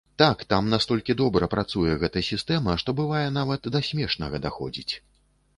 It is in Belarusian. Так, там настолькі добра працуе гэта сістэма, што бывае нават да смешнага даходзіць.